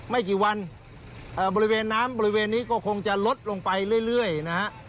ไม่กี่วันบริเวณน้ำบริเวณนี้ก็คงจะลดลงไปเรื่อยนะฮะ